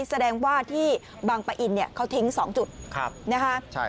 แสดงว่าที่บางปะอินเนี่ยเขาทิ้ง๒จุดนะคะ